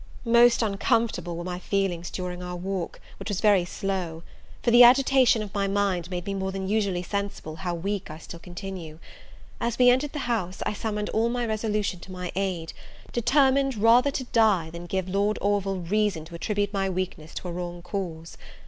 Most uncomfortable were my feelings during our walk, which was very slow; for the agitation of my mind made me more than usually sensible how weak I still continue. As we entered the house, I summoned all my resolution to my aid, determined rather to die than give Lord Orville reason to attribute my weakness to a wrong cause.